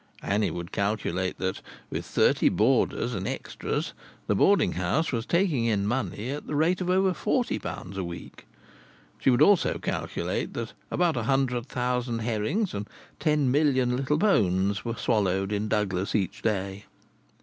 Annie would calculate that, with thirty boarders and extras, the boarding house was taking in money at the rate of over forty pounds a week. She would also calculate that about a hundred thousand herrings and ten million little bones were swallowed in Douglas each day.